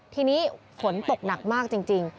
ทีนี้ฝนตกหนักมากจริง